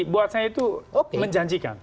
buat saya itu menjanjikan